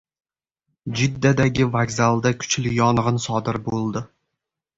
Jiddadagi vokzalda kuchli yong‘in sodir bo‘ldi